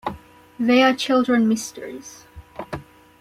They are children mysteries.